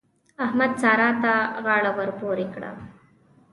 احمد؛ سارا ته غاړه ور پورې کړه.